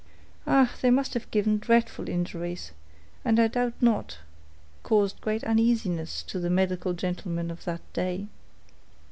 Ah! they must have given dreadful injuries, and, I doubt not, caused great uneasiness to the medical gentlemen of that day."